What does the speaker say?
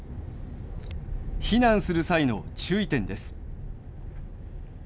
避難する際の注意点です。